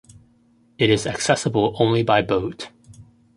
It is accessible only by boat.